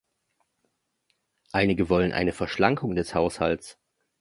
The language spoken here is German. Einige wollen eine Verschlankung des Haushalts.